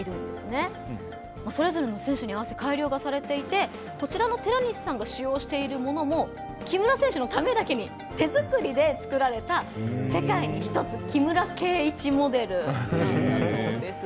それぞれの選手に合わせて改良がされていてこちらの寺西さんが使用しているものも木村選手のためだけに手作りで作られた世界に１つ木村敬一モデルなんだそうです。